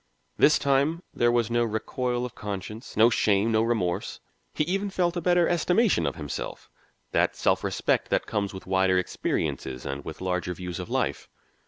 This time there was no recoil of conscience, no shame, no remorse; he even felt a better estimation of himself, that self respect that comes with wider experiences and with larger views of life.